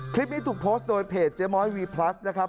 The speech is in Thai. คลิปนี้ถูกโพสต์โดยเพจเจ๊ม้อยวีพลัสนะครับ